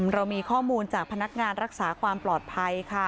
เรามีข้อมูลจากพนักงานรักษาความปลอดภัยค่ะ